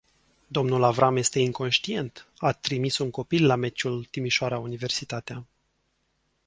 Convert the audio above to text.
Domnul Avram este inconștient, a trimis un copil la meciul Timișoara Universitatea.